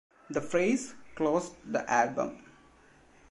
The phrase closed the album.